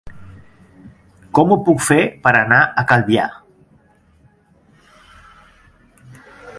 Com ho puc fer per anar a Calvià?